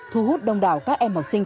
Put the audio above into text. thu hút đông đảo các em học sinh